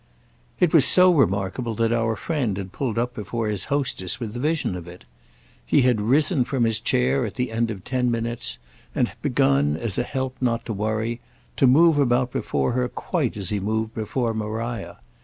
It was so remarkable that our friend had pulled up before his hostess with the vision of it; he had risen from his chair at the end of ten minutes and begun, as a help not to worry, to move about before her quite as he moved before Maria.